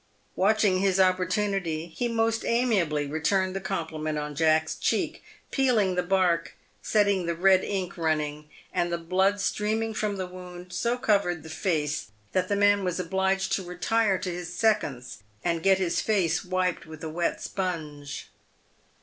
Watching his opportunity, he most amiably returned the compliment on Jack's cheek, * peeling the bark," setting the "red ink" running, and the blood streaming from the wound so covered the face that the man was obliged to retire to his seconds, and get his face wiped with a wet sponge.